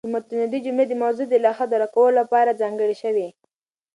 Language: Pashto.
د مط الندې جملې د موضوع د لاښه درک لپاره ځانګړې شوې.